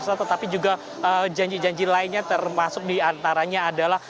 tetapi juga janji janji lainnya termasuk diantaranya adalah